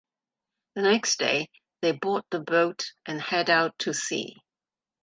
The next day they board the boat and head out to sea.